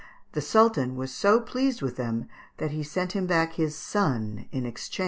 The Sultan was so pleased with them that he sent him back his son in exchange.